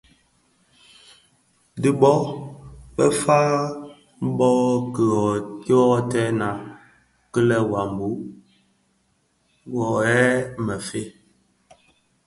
Dhi bō be fa bo kidhotèna kil è wambue pi: wō ghèè më fe?